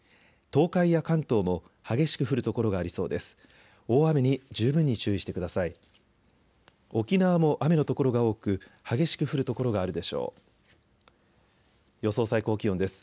東海や関東も激しく降る所がありそうです。